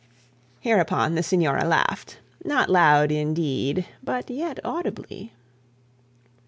Hereupon the signora laughed; not loud, indeed, but yet audibly.